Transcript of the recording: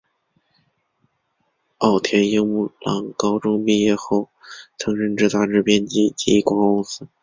奥田英朗高中毕业后曾任职杂志编辑及广告公司。